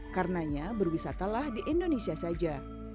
karenanya berwisata lah di indonesia saja